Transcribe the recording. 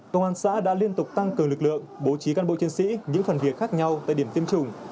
công an xã đã liên tục tăng cường lực lượng bố trí cán bộ chiến sĩ những phần việc khác nhau tại điểm tiêm chủng